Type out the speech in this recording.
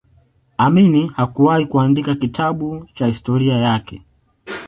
Amini hakuwahi kuandika kitabu cha historia yake